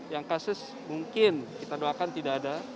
yang kasus mungkin kita doakan tidak ada